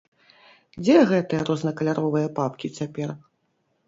Дзе гэтыя рознакаляровыя папкі цяпер?